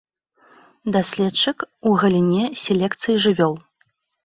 Даследчык у галіне селекцыі жывёл.